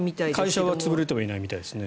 会社は潰れてないみたいですね。